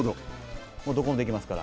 どこもできますから。